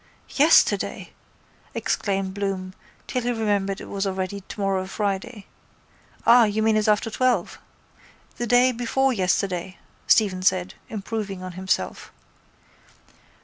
—Yesterday! exclaimed Bloom till he remembered it was already tomorrow Friday. Ah, you mean it's after twelve! —The day before yesterday, Stephen said, improving on himself.